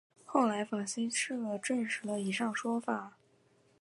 后来法新社证实了以上说法。